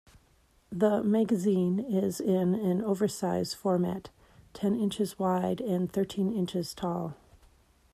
The magazine is an oversize format - ten inches wide and thirteen inches tall.